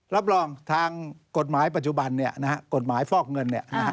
รับรองทางกฎหมายปัจจุบันกฎหมายฟอกเงิน